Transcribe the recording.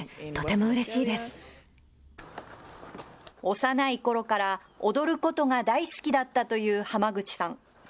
幼いころから踊ることが大好きだったというハマグチさん。